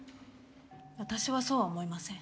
私はそうは思いません。